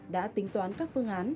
đã tính toán các phương án